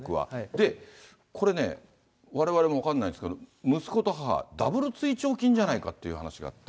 で、これね、われわれも分かんないんですけど、息子と母、ダブル追徴金じゃないかっていう話があって。